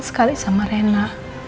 sekali sama rena